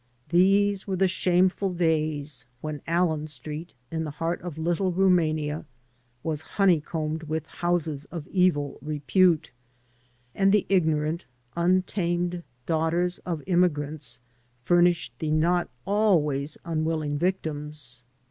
These were the shameful days when Allen Street, in the heart of Little Rumania, was honeycombed with houses of evil repute, and the ignorant, imtamed (laughters of immi grants furnished the not always unwilling victims.